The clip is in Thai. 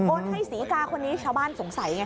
ให้ศรีกาคนนี้ชาวบ้านสงสัยไง